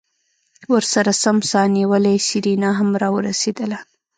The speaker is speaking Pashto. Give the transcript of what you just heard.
ورسرہ سم سا نيولې سېرېنا هم راورسېدله.